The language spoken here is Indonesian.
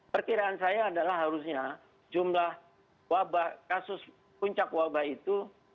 perkiraan saya adalah harusnya jumlah wabah kasus puncak wabah itu